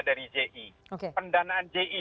dari ji pendanaan ji